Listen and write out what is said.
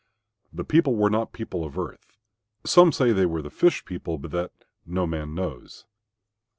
The people were not people of earth. Some say they were the Fish people, but that, no man knows.